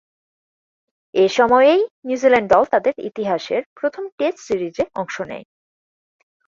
এ সময়েই নিউজিল্যান্ড দল তাদের ইতিহাসের প্রথম টেস্ট সিরিজে অংশ নেয়।